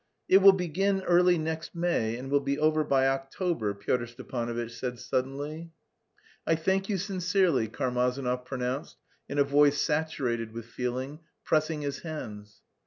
"It will begin early next May and will be over by October," Pyotr Stepanovitch said suddenly. "I thank you sincerely," Karmazinov pronounced in a voice saturated with feeling, pressing his hands.